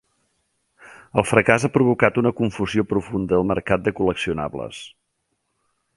El fracàs ha provocat una confusió profunda al mercat de col·leccionables.